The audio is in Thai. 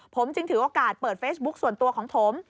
ผมจึงถือโอกาสเปิดเฟซบุ๊คส่วนตัวของผม